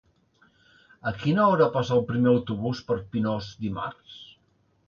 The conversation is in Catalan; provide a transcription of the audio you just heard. A quina hora passa el primer autobús per Pinós dimarts?